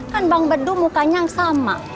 kan bang bedu mukanya yang sama